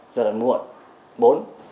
giai đoạn muộn bốn